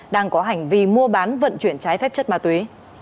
đang có hành vi mua bán vận chuyển trái phép chất ma túy